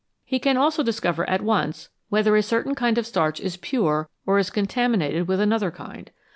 He can also discover at once whether a certain kind of starch is pure or is contaminated with another kind.